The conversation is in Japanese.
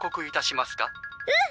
うん。